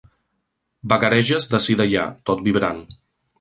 Vagareges d'ací d'allà, tot vibrant.